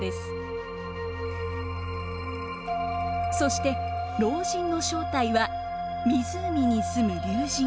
そして老人の正体は湖に住む龍神。